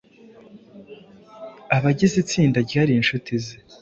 abagize itsinda ryari inshuti ze